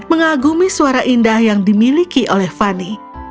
mengagumi suara indah yang dimiliki oleh fani